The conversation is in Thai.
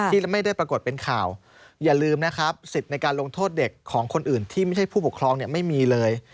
ที่ไม่ได้ปรากฏเป็นข่าวอย่าลืมนะครับสิทธิ์ในการลงโทษเด็กของคนอื่นที่ไม่ใช่ผู้ปกครองเนี่ยไม่มีเลย